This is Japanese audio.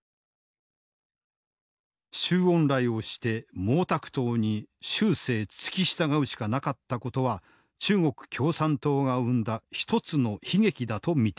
周恩来をして毛沢東に終生付き従うしかなかったことは中国共産党が生んだ一つの悲劇だと見ている。